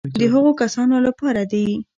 د هغو کسانو لپاره دي.